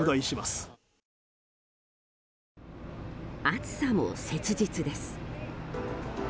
暑さも切実です。